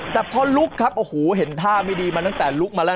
แต่พอลุกครับโอ้โหเห็นท่าไม่ดีมาตั้งแต่ลุกมาแล้ว